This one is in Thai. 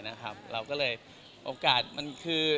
นะครับเราก็เลยโอกาสมันคือ